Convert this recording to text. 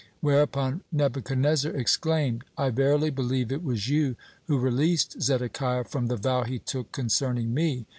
Whereupon Nebuchadnezzar exclaimed: "I verily believe it was you who released Zedekiah from the vow he took concerning me."